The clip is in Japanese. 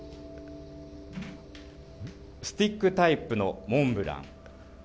スティックタイプのモンブラン。